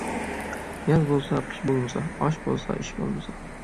ياز بولسا قىش بولمىسا، ئاش بولسا ئىش بولمىسا.